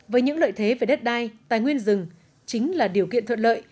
với những lợi thế về đất đai tài nguyên rừng chính là điều kiện thuận lợi